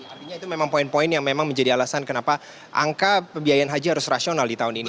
artinya itu memang poin poin yang memang menjadi alasan kenapa angka pembiayaan haji harus rasional di tahun ini